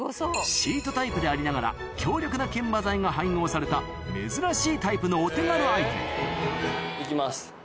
シートタイプでありながら強力な研磨剤が配合された珍しいタイプのお手軽アイテムいきます。